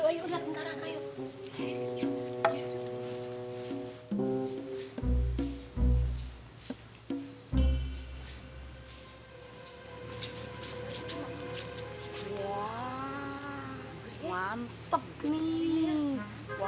udah bentar angka